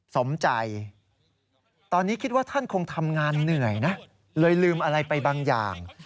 สมใจตอนนี้คิดว่าท่านคงทำงานเหนื่อยนะเลยลืมอะไรไปบางอย่าง